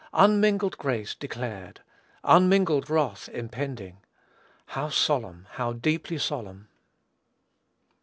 Unmingled grace declared! unmingled wrath impending! How solemn! How deeply solemn!